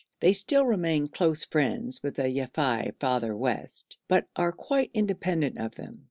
They still remain close friends with the Yafei farther west, but are quite independent of them.